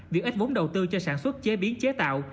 việc ít vốn đầu tư cho sản xuất chế biến chế tạo